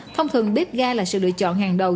thông thường bếp ga là sự lựa chọn hàng đầu